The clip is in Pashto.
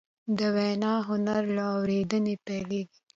د وینا هنر له اورېدنې پیلېږي